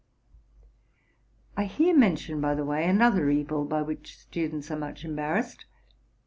I here mention, by the way, another evil by which students are much embarrassed.